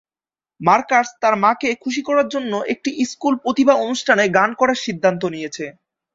Marcus তার মাকে খুশি করার জন্য একটি স্কুল প্রতিভা অনুষ্ঠানে গান করার সিদ্ধান্ত নিয়েছে।